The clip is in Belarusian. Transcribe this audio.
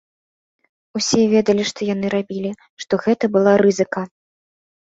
Усе ведалі, што яны рабілі, што гэта была рызыка.